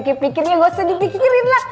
gak usah dipikirin lah